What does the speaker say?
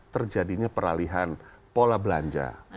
terjadinya peralihan pola belanja